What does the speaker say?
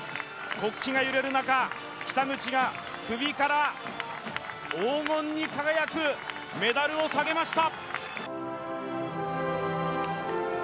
国旗が揺れる中、北口が首から黄金に輝くメダルを下げました。